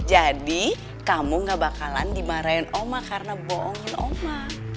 jadi kamu gak bakalan dimarahin oma karena bohongin oma